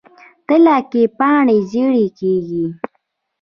تله کې پاڼې ژیړي کیږي.